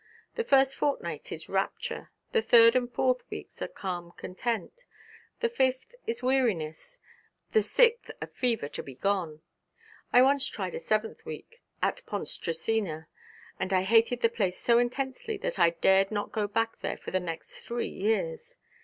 The first fortnight is rapture, the third and fourth weeks are calm content, the fifth is weariness, the sixth a fever to be gone. I once tried a seventh week at Pontresina, and I hated the place so intensely that I dared not go back there for the next three years.